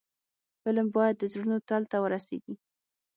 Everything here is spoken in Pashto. فلم باید د زړونو تل ته ورسیږي